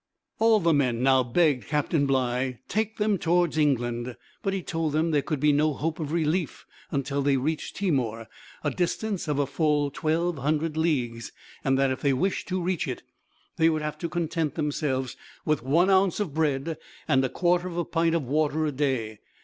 All the men now begged Captain Bligh to take them toward England; but he told them there could be no hope of relief until they reached Timor, a distance of full twelve hundred leagues; and that, if they wished to reach it, they would have to content themselves with one ounce of bread and a quarter of a pint of water a day.